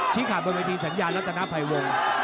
ชี้ขาบบนวิธีสัญญาณรัฐนภัยวงศ์